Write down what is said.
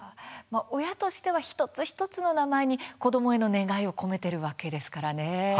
親としては一つ一つの名前に子どもへの願いを込めているわけですからね。